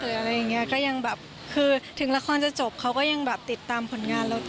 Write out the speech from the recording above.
อะไรอย่างเงี้ยก็ยังแบบคือถึงละครจะจบเขาก็ยังแบบติดตามผลงานเรา